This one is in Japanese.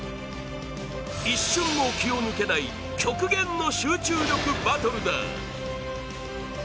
一瞬も気を抜けない極限の集中力バトルだ。